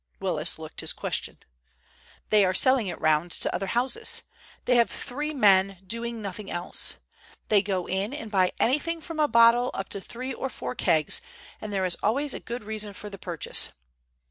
Willis looked his question. "They are selling it round to other houses. They have three men doing nothing else. They go in and buy anything from a bottle up to three or four kegs, and there is always a good reason for the purchase.